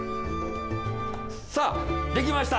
さあ出来ました！